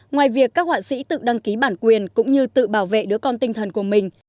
ngoài việc các họa sĩ tự đăng ký bản quyền cũng như tự bảo vệ đứa con tinh thần của mình